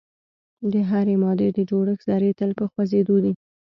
د هرې مادې د جوړښت ذرې تل په خوځیدو دي.